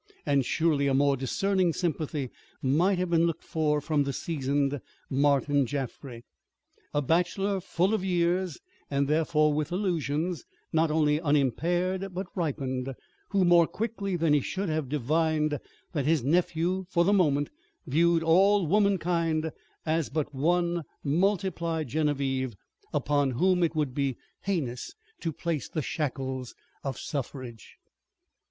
And surely a more discerning sympathy might have been looked for from the seasoned Martin Jaffry. A bachelor full of years and therefore with illusions not only unimpaired but ripened, who more quickly than he should have divined that his nephew for the moment viewed all womankind as but one multiplied Genevieve, upon whom it would be heinous to place the shackles of suffrage?